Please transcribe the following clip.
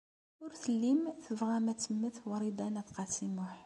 Ur tellim tebɣam ad temmet Wrida n At Qasi Muḥ.